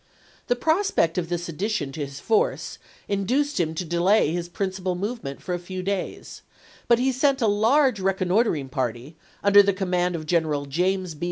The prospect of this addition to his force induced him to delay his principal move ment for a few days ; but he sent a large reconnoiter ing party, under the command of General James B.